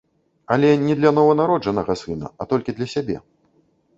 Але не для нованароджанага сына, а толькі для сябе.